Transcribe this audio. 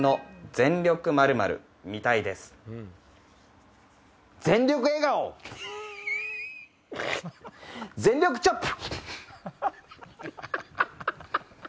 全力チョップ！